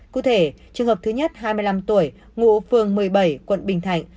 cụ thể trường hợp thứ nhất hai mươi năm tuổi ngụ phường một mươi bảy quận bình thạnh